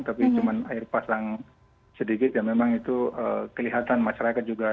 tapi cuma air pasang sedikit ya memang itu kelihatan masyarakat juga